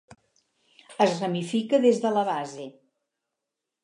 Es ramifica des de la base.